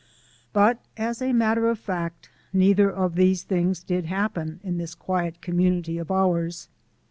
But as a matter of fact, neither of these things did happen in this quiet community of ours.